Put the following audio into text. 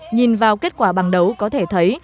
nhìn vào kết quả bằng đấu có thể thấy